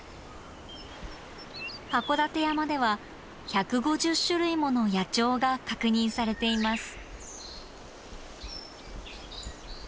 函館山では１５０種類もの野鳥が確認されています。